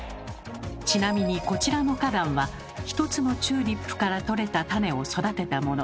ちなみにこちらの花壇は一つのチューリップからとれた種を育てたもの。